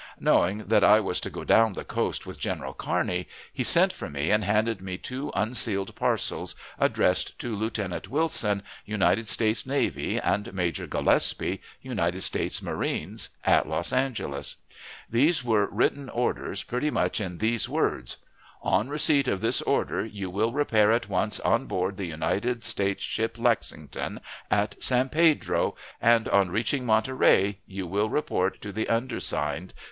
Knowing that I was to go down the coast with General Kearney, he sent for me and handed me two unsealed parcels addressed to Lieutenant Wilson, United States Navy, and Major Gillespie, United States Marines, at Los Angeles. These were written orders pretty much in these words: "On receipt of this order you will repair at once on board the United States ship Lexington at San Pedro, and on reaching Monterey you will report to the undersigned.